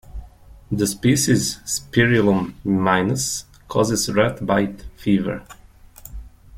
The species "Spirillum minus" causes rat-bite fever.